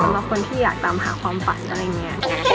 ว่าคนที่อยากตามหาความฝันอะไรอย่างนี้